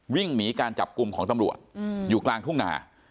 วิ่งหนีการจับกลุ่มของตำรวจอยู่กลางทุ่งนา